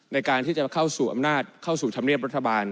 ในการที่จะเข้าสู่อำนาจเข้าสู่ธรรมเนียบรัฐบาล